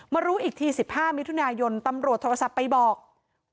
รู้อีกที๑๕มิถุนายนตำรวจโทรศัพท์ไปบอก